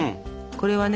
これはね。